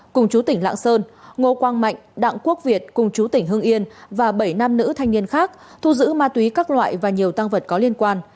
cùng chú tỉnh lạng sơn ngô quang mạnh đặng quốc việt cùng chú tỉnh hưng yên và bảy nam nữ thanh niên khác thu giữ ma túy các loại và nhiều tăng vật có liên quan